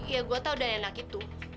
ya gue tau dari anak itu